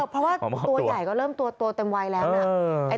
เพราะว่าตัวใหญ่ก็เริ่มตัวเต็มวัยแล้วนะ